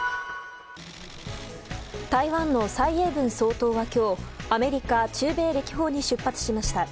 台湾の蔡英文総統は今日アメリカ・中米歴訪に出発しました。